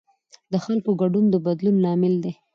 د خلکو ګډون د بدلون لامل دی